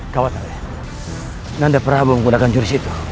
kau akan berhati hati